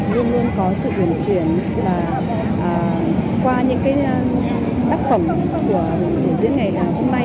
luôn luôn có sự huyền chuyển qua những tác phẩm của diễn ngày hôm nay